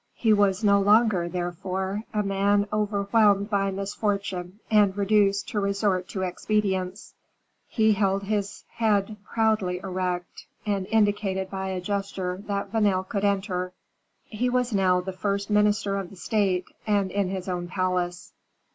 He was no longer, therefore, a man overwhelmed by misfortune and reduced to resort to expedients; he held his head proudly erect, and indicated by a gesture that Vanel could enter. He was now the first minister of the state, and in his own palace.